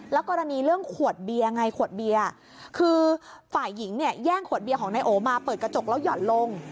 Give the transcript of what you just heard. แล้วกรณีเรื่องขวดเบียคือฝ่ายหญิงแย่งขวดเบียของนายโอมาเปิดกระจกแล้วหย่อนลง